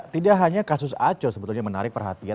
tidak hanya kasus aco sebetulnya menarik perhatian